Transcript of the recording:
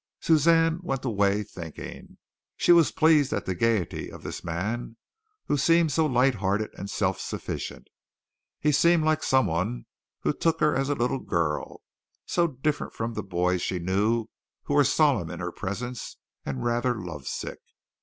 Suzanne went away, thinking. She was pleased at the gaiety of this man who seemed so light hearted and self sufficient. He seemed like someone who took her as a little girl, so different from the boys she knew who were solemn in her presence and rather love sick.